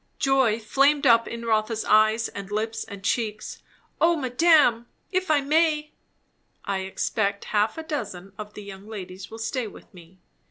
Joy flamed up in Rotha's eyes and lips and cheeks. "O madame! if I may." "I expect half a dozen of the young ladies will stay with me.